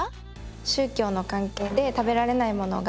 宗教の関係で食べられないものがあると。